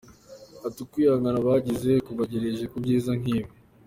Ati ”Ukwihangana bagize kubagejeje ku byiza nk’ibi.